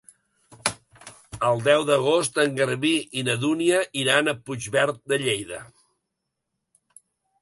El deu d'agost en Garbí i na Dúnia iran a Puigverd de Lleida.